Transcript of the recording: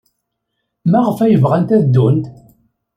Maɣef ay bɣant ad ddunt?